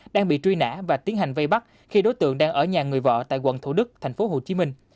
đang bị truy nã và tiến hành vây bắt khi đối tượng đang ở nhà người vợ tại quận thủ đức thành phố hồ chí minh